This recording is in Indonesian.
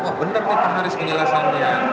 wah bener nih pak haris penjelasannya